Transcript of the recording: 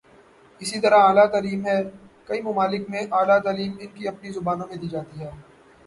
اسی طرح اعلی تعلیم ہے، کئی ممالک میںاعلی تعلیم ان کی اپنی زبانوں میں دی جاتی ہے۔